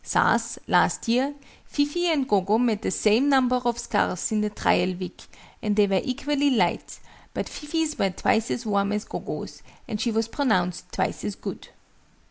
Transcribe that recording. Thus, last year, Fifi and Gogo made the same number of scarves in the trial week, and they were equally light; but Fifi's were twice as warm as Gogo's, and she was pronounced twice as good."